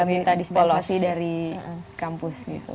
minta displosi dari kampus gitu